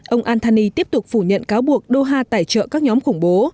ông al thani tiếp tục phủ nhận cáo buộc doha tài trợ các nhóm khủng bố